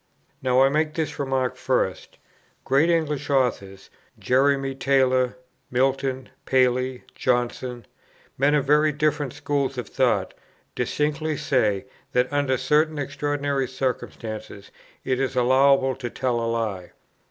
Now I make this remark first: great English authors, Jeremy Taylor, Milton, Paley, Johnson, men of very different schools of thought, distinctly say, that under certain extraordinary circumstances it is allowable to tell a lie.